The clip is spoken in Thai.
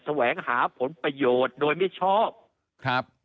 แหวงหาผลประโยชน์โดยมิชอบครับ